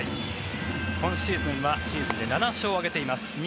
今シーズンはチームで７勝を挙げています。